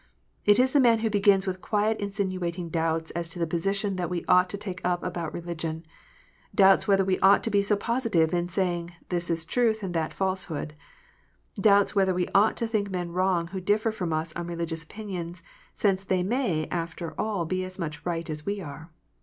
It is the man who begins with quietly insinuat ing doubts as to the position that we ought to take up about religion, doubts whether we ought to be so positive in saying " This is truth, and that falsehood," doubts whether we ought to think men wrong who differ from us on religious opinions, since they may after all be as much right as we are.